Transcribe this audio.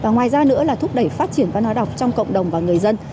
ngoài ra nữa là thúc đẩy phát triển văn hóa đọc trong cộng đồng và người dân